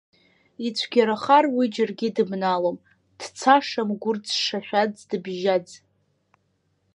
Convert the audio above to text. Ицәгьарахар уи џьаргьы дыбналом, дцашам гәырӡ-шашәаӡ дыбжьаӡ.